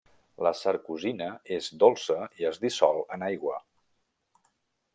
La sarcosina és dolça i es dissol en aigua.